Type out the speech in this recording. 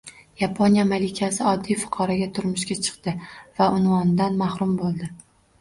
Yaponiya malikasi oddiy fuqaroga turmushga chiqdi va unvonidan mahrum bo‘ldi